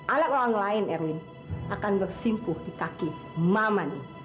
alat orang lain erwin akan bersimpuh di kaki mama ini